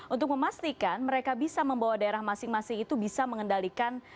untuk memastikan mereka bisa membawa daerah masing masing itu bisa mengendalikan